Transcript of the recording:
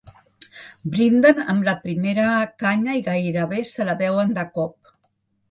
Brinden amb la primera canya i gairebé se la beuen de cop.